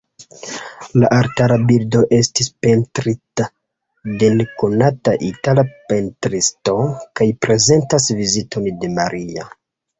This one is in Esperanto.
La altara bildo estis pentrita de nekonata itala pentristo kaj prezentas Viziton de Maria.